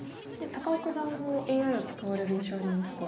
高尾九段もＡＩを使われる印象ありますが。